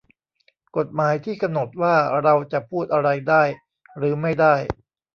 กฎหมายที่กำหนดว่าเราจะพูดอะไรได้หรือไม่ได้